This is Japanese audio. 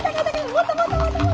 もっともっともっと！